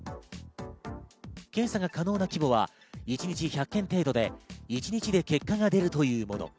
検査が可能な規模は一日１００件程度で一日で結果が出るというもの。